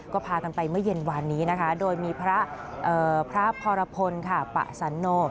ก็พากันไปเมื่อเย็นวานนี้นะคะโดยมีพระพรพลค่ะปะสันโน